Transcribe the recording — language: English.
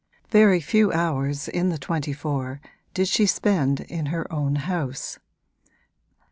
Very few hours in the twenty four did she spend in her own house.